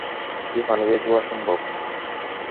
এটি পানিতে ধোয়া সম্ভব।